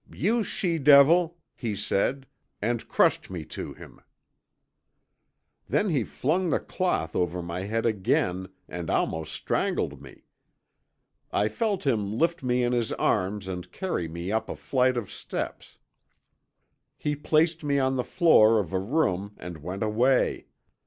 "'You she devil,' he said, and crushed me to him. "Then he flung the cloth over my head again and almost strangled me. I felt him lift me in his arms and carry me up a flight of steps. He placed me on the floor of a room and went away.